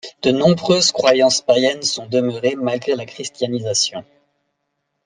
De nombreuses croyances païennes sont demeurées, malgré la christianisation.